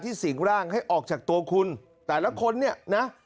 สิ่งร่างให้ออกจากตัวคุณแต่ละคนเนี่ยนะ